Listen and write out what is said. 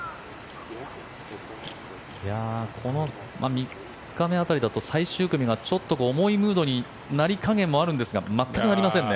３日目辺りだと最終組がちょっと重いムードになることもあるんですがなりませんね。